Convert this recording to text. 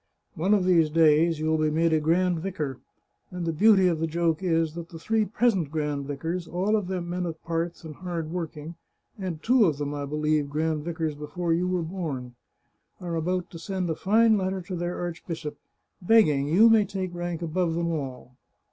One of these days you will be made a grand vicar, and the beauty of the joke is that the three present grand vicars, all of them men of parts and hard working, and two of them, I believe, grand vicars before you were born, are about to send a fine letter to their archbishop, begging you may take rank above them all.